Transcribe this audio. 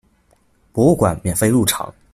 博物馆免费入场。